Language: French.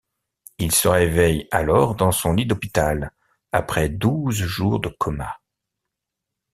Il se réveille alors dans son lit d'hôpital après douze jours de coma.